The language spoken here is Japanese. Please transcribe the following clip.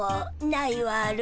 ないわる。